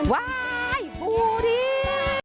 ว้ายบลูลิง